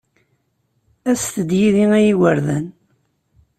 Aset-d yid-i a igerdan.